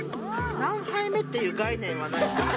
何杯目っていう概念はない。